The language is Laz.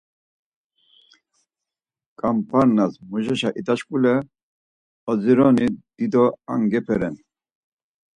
Ǩamp̌arnas muzeşa ida şkule odzironi dido angepe ren.